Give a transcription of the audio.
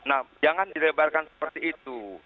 nah jangan dilebarkan seperti itu